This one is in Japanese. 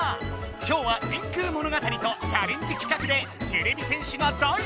今日は電空物語とチャレンジ企画でてれび戦士が大活やく！